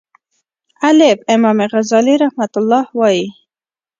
الف : امام غزالی رحمه الله وایی